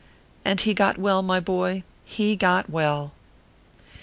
And he got well, my boy he got well.